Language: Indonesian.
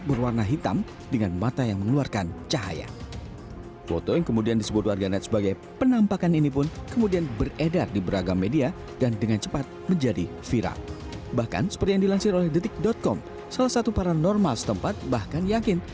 bahkan seperti yang dilansir oleh detik com salah satu paranormal setempat bahkan yakin